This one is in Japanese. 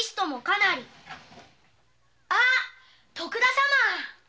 あッ徳田様！